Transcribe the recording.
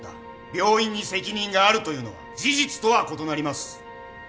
病院に責任があるというのは事実とは異なります。